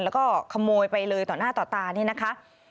แล้วก็ขโมยไปเลยต่อหน้าต่อตานี่นะคะ